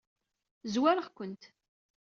Zwareɣ-kent.